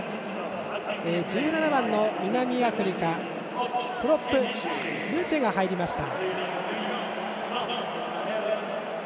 １７番の南アフリカプロップのヌチェが入りました。